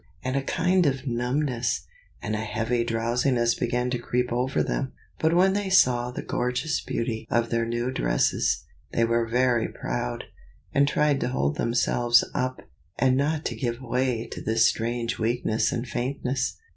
and a kind of numbness, and a heavy drowsiness, began to creep over them. But when they saw the gorgeous beauty of their new dresses, they were very proud, and tried to hold themselves up, and not to give way to this strange weakness and faintness.